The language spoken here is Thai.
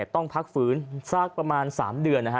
ต้องพักฝืนสักประมาณ๓เดือน